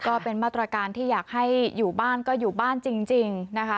ก็เป็นมาตรการที่อยากให้อยู่บ้านก็อยู่บ้านจริงนะคะ